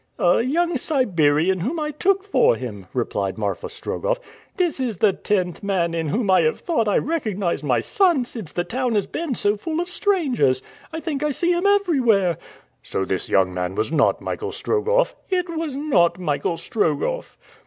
"A young Siberian whom I took for him," replied Marfa Strogoff. "This is the tenth man in whom I have thought I recognized my son since the town has been so full of strangers. I think I see him everywhere." "So this young man was not Michael Strogoff?" "It was not Michael Strogoff."